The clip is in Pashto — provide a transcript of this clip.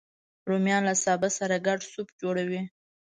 رومیان له سابه سره ګډ سوپ جوړوي